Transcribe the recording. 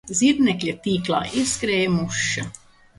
Zirnekļa tīklā ieskrēja muša